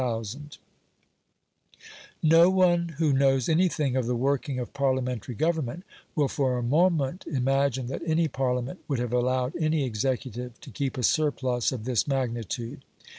16,712,000 No one who knows anything of the working of Parliamentary government, will for a moment imagine that any Parliament would have allowed any executive to keep a surplus of this magnitude.